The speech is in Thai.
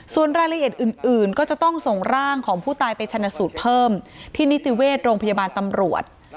ส่วนรายละเอียดอื่นก็จะต้องส่งร่างของผู้ตายไปชนะสูตรเพิ่มที่นิติเวชโรงพยาบาลตำรวจ